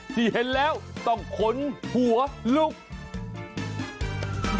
ที่เห็นแล้วต้องขนหัวลุก